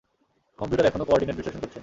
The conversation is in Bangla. কম্পিউটার এখনও কো-অর্ডিনেট বিশ্লেষণ করছে!